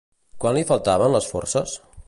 Quan li faltaven les forces?